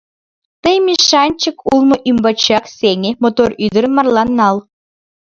Тый мешанчык улмо ӱмбачак сеҥе, мотор ӱдырым марлан нал.